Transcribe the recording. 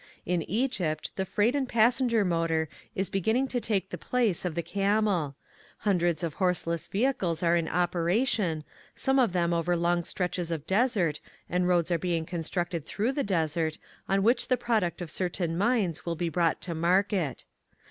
In Egypt the freight and passenger motor is beginning to take the place of the camel : hundreds of horseless ve hicles are in operation, some of them over long stretches of desert, and roads are being constructed through the desert, on which the product of certain mines will be brought to market.